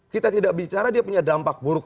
kita tidak bicara dia punya dampak keperluan ya